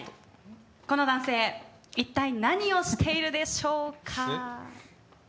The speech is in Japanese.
この男性一体何をしているでしょうか？